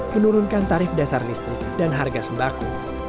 menurunkan tarif dasar listrik dan harga sembako